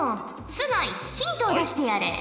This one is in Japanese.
須貝ヒントを出してやれ。